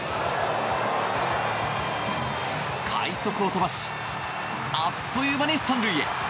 快足を飛ばしあっという間に３塁へ。